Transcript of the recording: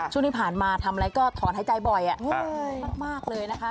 ช่วงที่ผ่านมาทำอะไรก็ถอนหายใจบ่อยมากเลยนะคะ